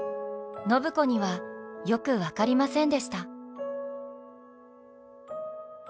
暢子にはよく分かりませんでした。